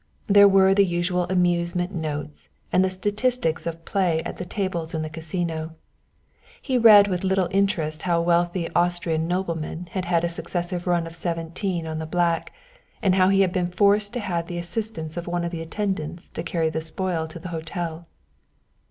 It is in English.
There were the usual amusement notes and the statistics of play at the tables in the Casino. He read with little interest how a wealthy Austrian nobleman had had a successive run of seventeen on the black, and how he had been forced to have the assistance of one of the attendants to carry the spoil to the hotel.